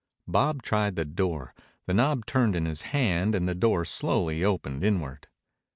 Bob tried the door. The knob turned in his hand and the door slowly opened inward.